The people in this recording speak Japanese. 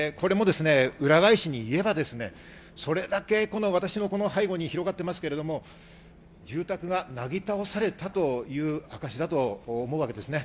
裏返しに言えば、それだけ私の背後に広がっていますけれど、住宅がなぎ倒されたという証しだと思います。